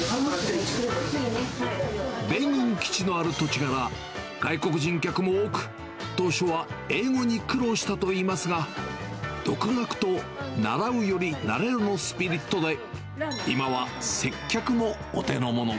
米軍基地のある土地柄、外国人客も多く、当初は英語に苦労したといいますが、独学と習うより慣れろのスピリットで、今は接客もお手のもの。